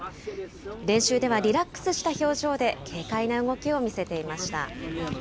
練習ではリラックスした表情で軽快な動きを見せていました。